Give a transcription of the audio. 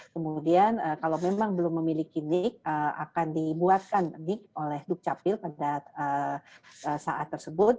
kemudian kalau memang belum memiliki nik akan dibuatkan nik oleh dukcapil pada saat tersebut